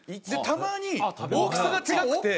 たまに大きさが違くて。